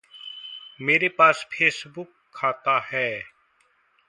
मेरे पास फ़ेसबुक खाता है।